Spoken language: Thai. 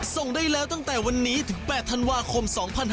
ส่งได้แล้วตั้งแต่วันนี้ถึง๘ธันวาคม๒๕๕๙